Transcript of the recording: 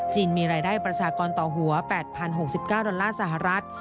มีรายได้ประชากรต่อหัว๘๐๖๙ดอลลาร์สหรัฐ